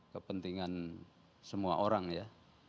kepentingan semua orang ya